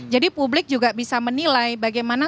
jadi publik juga bisa menilai bagaimana